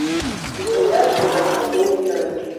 Выстаўляюць праз акно доўгія рукі.